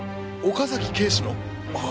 岡崎警視の！？